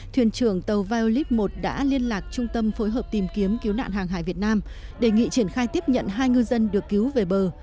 thuyền trưởng tàu violet một đã liên lạc trung tâm phối hợp tìm kiếm cứu nạn hàng hải việt nam đề nghị triển khai tiếp nhận hai ngư dân được cứu về bờ